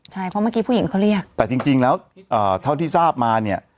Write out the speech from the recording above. ใช่เพราะเมื่อกี้ผู้หญิงเขาเรียกแต่จริงแล้วเท่าที่ทราบมาเนี่ย